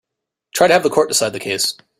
Try to have the court decide the case.